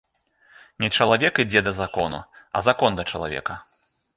Не чалавек ідзе да закону, а закон да чалавека.